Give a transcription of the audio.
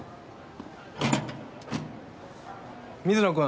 水野君。